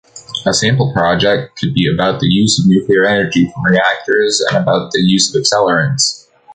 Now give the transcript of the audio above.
A sample project could be about the use of nuclear energy from reactors and about the use of accelerants.